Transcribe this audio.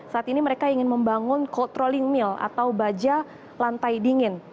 saat ini mereka ingin membangun cold rolling mill atau baja lantai dingin